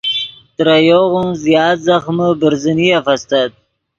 ترے یوغون زیات ځخمے برزنیف استت